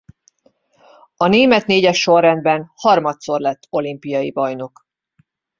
A német négyes sorrendben harmadszor lett olimpiai bajnok.